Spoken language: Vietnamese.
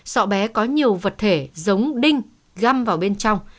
sọ bé có nhiều vật thể giống đinh găm vào bên trong